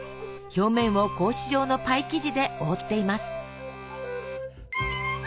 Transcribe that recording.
表面を格子状のパイ生地で覆っています。